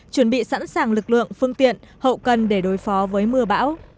chuẩn bị sẵn sàng lực lượng phương tiện hậu cần để đối phó với mưa bão